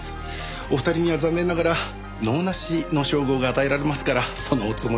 お二人には残念ながら能なしの称号が与えられますからそのおつもりで。